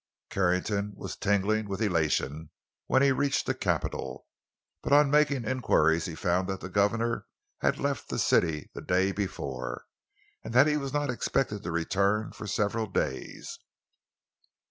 Carrington was tingling with elation when he reached the capital; but on making inquiries he found that the governor had left the city the day before, and that he was not expected to return for several days.